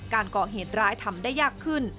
การก่อเหตุร้ายทำได้ยากขึ้น